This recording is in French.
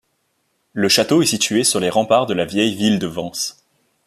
Le château est situé sur les remparts de la vieille ville de Vence.